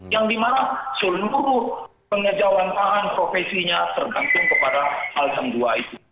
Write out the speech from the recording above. yang dimana seluruh pengejauhan tahan profesinya tergantung kepada hal yang dua itu